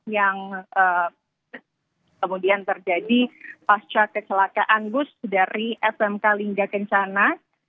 yang kemudian terjadi pasca kecelakaan bus dari smk lingga kencana